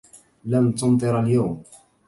لن تمطر اليوم.